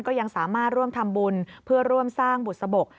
ก็ยังสามารถร่วมทำบุญเพื่อร่วมสร้างบุษบก